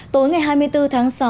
tối ngày hai mươi bốn tháng sáu